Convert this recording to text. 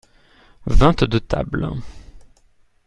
Vingt-deux tables.